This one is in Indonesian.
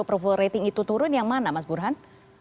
approval rating itu turun yang mana mas burhan